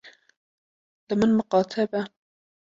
Li min miqate be.